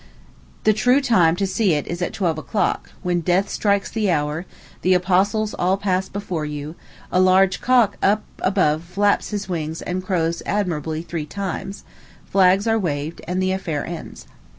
The true time to see it is at twelve o'clock, when Death strikes the hour, the apostles all pass before you, a large cock up above flaps his wings and crows admirably three times, flags are waved, and the affair ends.